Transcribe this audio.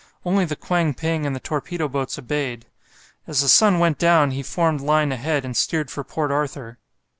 Only the "Kwang ping" and the torpedo boats obeyed. As the sun went down he formed line ahead, and steered for Port Arthur.